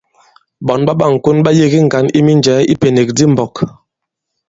Ɓɔ̌n ɓa ɓâŋkon ɓa yege ŋgǎn i minjɛ̀ɛ i ipènèk di i mbɔ̄k.